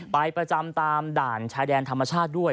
ประจำตามด่านชายแดนธรรมชาติด้วย